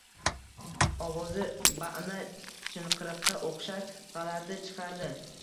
Ovozi ba`na chinqiriqqa o`xshash g`alati chiqardi